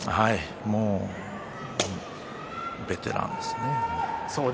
もうベテランですね。